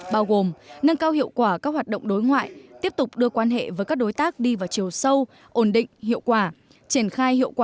bao gồm nâng cao hiệu quả các hoạt động đối ngoại tiếp tục đưa quan hệ với các đối tác đi vào chiều sâu